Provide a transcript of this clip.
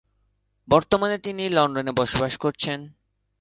বর্তমানে তিনি লন্ডনে বসবাস করছেন।